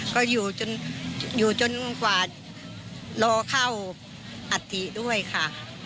ก็อยู่จนกว่ารอเข้าอัฐิด้วยค่ะ